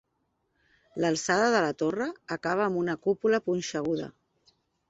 L'alçada de la torre acaba amb una cúpula punxeguda.